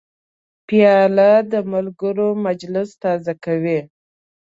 پیاله د ملګرو مجلس تازه کوي.